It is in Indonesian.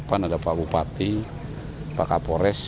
ada pak bupati pak kapolres